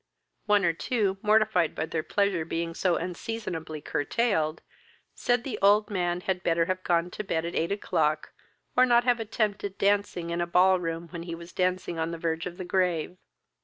One or two, mortified by their pleasure being so unseasonably curtailed, said the old man had better have gone to bed at eight o'clock, or not have attempted dancing in a ball room when he was dancing on the verge of the grave.